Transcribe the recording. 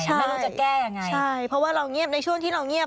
ไม่รู้จะแก้ยังไงใช่เพราะว่าเราเงียบในช่วงที่เราเงียบ